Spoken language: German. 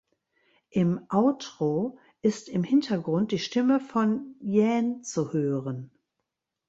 Im Outro ist im Hintergrund die Stimme von Jaehn zu hören.